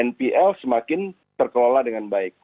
npl semakin terkelola dengan baik